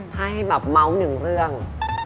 ถ้าให้แบบเมาส์หนึ่งเรื่อง